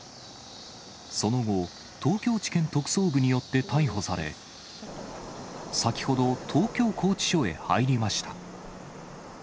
その後、東京地検特捜部によって逮捕され、先ほど、東京拘置所へ入りました。